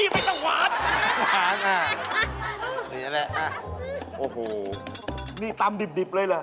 ไม่รู้ปะตี้คนละ